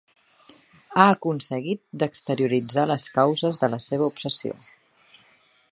Ha aconseguit d'exterioritzar les causes de la seva obsessió.